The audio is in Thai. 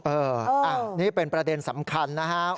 เออนี่เป็นประเด็นสำคัญนะครับ